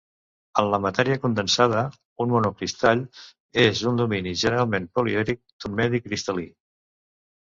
En la matèria condensada, un monocristall és un domini, generalment polièdric, d'un medi cristal·lí.